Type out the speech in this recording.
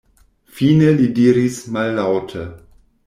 Fine li diris mallaŭte: